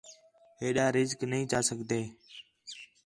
ہیّڈا رسک نئیں چا سڳدی